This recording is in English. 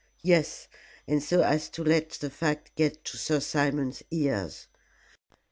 "Yes; and so as to let the fact get to Sir Simon's ears.